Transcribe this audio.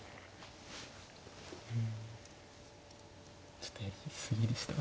ちょっとやり過ぎでしたか。